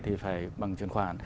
thì phải bằng truyền khoản